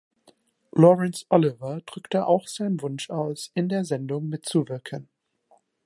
Laurence Olivier drückte auch seinen Wunsch aus, in der Sendung mitzuwirken.